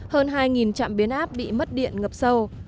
hơn hai trạm biến áp bị mất điện ngập sâu